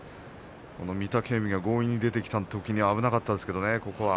御嶽海が強引に出てきたときは危なかったですけどね。